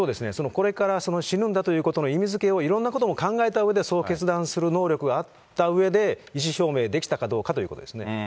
これから死ぬんだというところの意味づけを、いろんなことを考えたうえで、そう決断する能力があったうえで意思表明できたかどうかということですね。